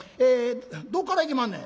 「どっから行きまんねん」。